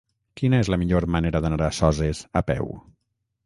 Quina és la millor manera d'anar a Soses a peu?